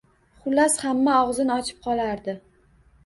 Xullas, hamma og’zin ochib qolardi.